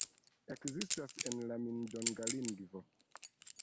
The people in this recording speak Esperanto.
Ekzistas en la Min-donga lingvo.